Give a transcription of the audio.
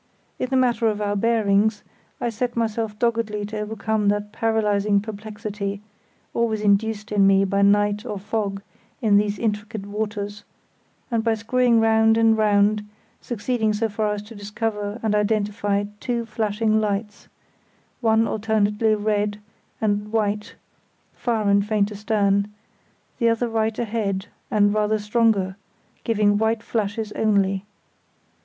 In the matter of our bearings, I set myself doggedly to overcome that paralysing perplexity, always induced in me by night or fog in these intricate waters; and, by screwing round and round, succeeded so far as to discover and identify two flashing lights—one alternately red and white, far and faint astern; the other right ahead and rather stronger, giving white flashes only.